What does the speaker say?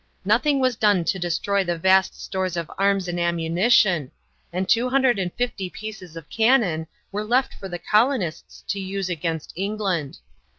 Nothing was done to destroy the vast stores of arms and ammunition, and two hundred and fifty pieces of cannon were left for the colonists to use against England.